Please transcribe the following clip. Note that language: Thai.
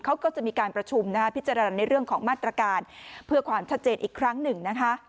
เขาก็จะมีการประชุมพิจารณาในเรื่องของมาตรการเพื่อความชัดเจนอีกครั้งหนึ่งนะคะ